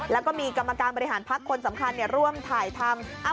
แล้วก็มีกรรมการบริหารพักคนสำคัญร่วมถ่ายทำ